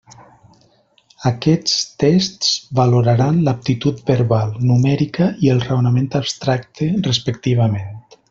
Aquests tests valoraran l'aptitud verbal, numèrica i el raonament abstracte, respectivament.